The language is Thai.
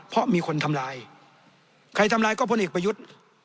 เพราะมีคนทำลายใครทำร้ายก็พลเอกประยุทธ์